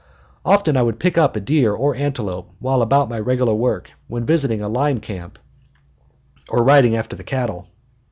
Often I would pick up a deer or antelope while about my regular work, when visiting a line camp or riding after the cattle.